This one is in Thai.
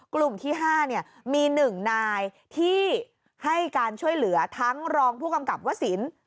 กลุ่มที่ห้าเนี่ยมีหนึ่งนายที่ให้การช่วยเหลือทั้งรองผู้กำกลับว่าสิน